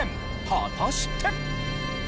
果たして？